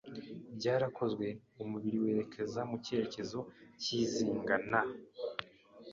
Byarakozwe. Umubiri werekeza mu cyerekezo cyizinga, na